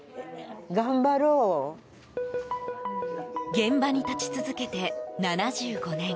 現場に立ち続けて７５年。